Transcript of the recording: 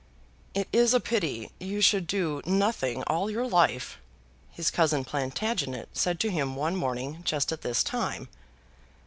"It is a pity you should do nothing all your life," his cousin Plantagenet said to him one morning just at this time.